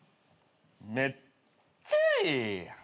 めっちゃええやん。